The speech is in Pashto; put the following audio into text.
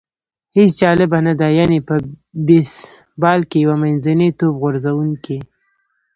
هېڅ جالبه نه ده، یعنې په بېسبال کې یو منځنی توپ غورځوونکی.